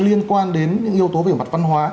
liên quan đến những yếu tố về mặt văn hóa